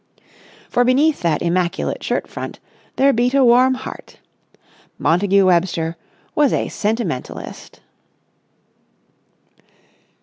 For beneath that immaculate shirt front there beat a warm heart. Montagu Webster was a sentimentalist.